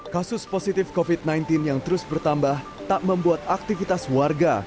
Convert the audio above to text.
kasus positif covid sembilan belas yang terus bertambah tak membuat aktivitas warga